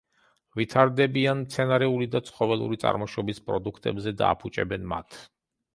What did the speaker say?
ვითარდებიან მცენარეული და ცხოველური წარმოშობის პროდუქტებზე და აფუჭებენ მათ.